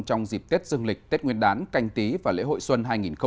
trong dịp tết dương lịch tết nguyên đán canh tí và lễ hội xuân hai nghìn hai mươi